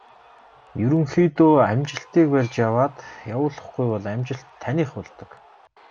Ерөнхийдөө амжилтыг барьж аваад явуулахгүй бол амжилт таных болдог.